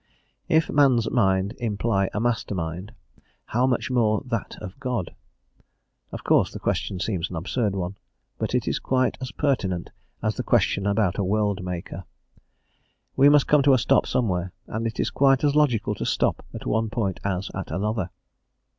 If man's mind imply a master mind, how much more that of God? Of course the question seems an absurd one, but it is quite as pertinent as the question about a world maker. We must come to a stop somewhere, and it is quite as logical to stop at one point as at another.